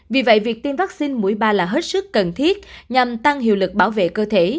vì vậy việc tiêm vaccine mũi ba là hết sức cần thiết nhằm tăng hiệu lực bảo vệ cơ thể